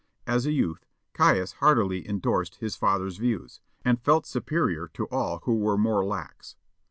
As a youth, Caius heartily endorsed his father's views, and felt superior to all who were more lax.